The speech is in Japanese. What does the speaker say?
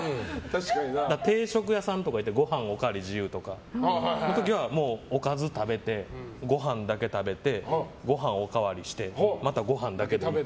定食屋さんとか行ってごはんおかわり自由とかって時はおかず食べて、ご飯だけ食べてご飯をおかわりしてまたご飯だけ食べて。